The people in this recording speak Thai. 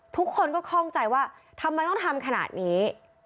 ทุกคนก็คล่องใจว่าทำไมต้องทำขนาดนี้